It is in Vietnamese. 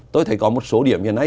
tôi thấy có một số điểm hiện nay